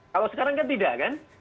kalau sekarang kan tidak kan